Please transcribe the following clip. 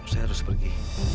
saya harus pergi